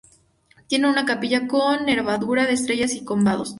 Tiene una capilla con nervadura de estrellas y combados.